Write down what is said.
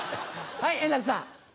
はい円楽さん。